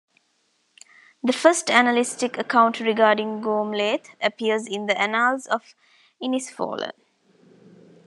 The first annalistic account regarding Gormlaith appears in the "Annals of Inisfallen".